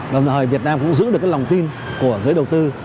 đồng thời việt nam cũng giữ được cái lòng tin của giới đầu tư